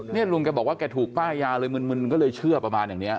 นี่ลุงแกบอกว่าแกถูกป้ายยาเลยมึนก็เลยเชื่อประมาณอย่างนี้